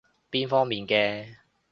邊方面嘅？